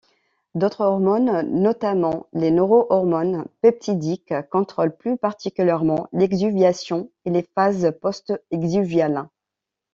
D'autres hormones, notamment des neurohormones peptidiques, contrôlent plus particulièrement l'exuviation et les phases post-exuviales.